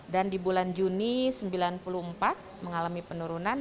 dan di bulan juni sembilan puluh empat mengalami penurunan